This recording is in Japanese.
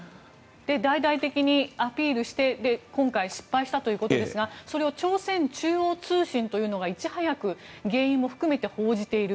大々的にアピールして今回、失敗したということですがそれを朝鮮中央通信というのがいち早く、原因も含めて報じている。